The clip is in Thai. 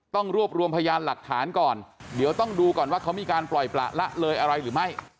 ต้องรวบรวมพยานหลักฐานก่อนเดี๋ยวต้องดูก่อนว่าเขามีการปล่อยประละเลยอะไรหรือไม่